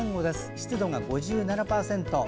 湿度が５７％。